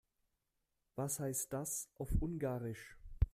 Was heißt das auf Ungarisch?